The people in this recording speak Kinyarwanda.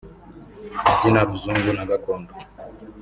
kubyina ruzungu na gakondo